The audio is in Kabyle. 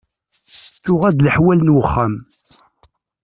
Tuɣ-d leḥwal n wexxam.